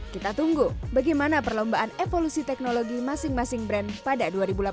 kita tunggu bagaimana perlombaan evolusi teknologi masing masing brand pada dua ribu delapan belas